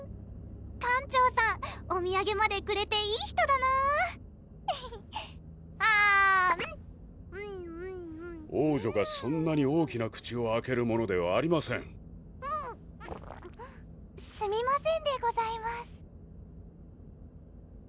館長さんお土産までくれていい人だなあん王女がそんなに大きな口を開けるものではありませんすみませんでございます